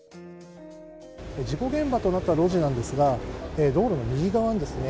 事故現場となった路地なんですが道路の右側にですね